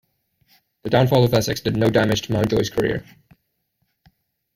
The downfall of Essex did no damage to Mountjoy's career.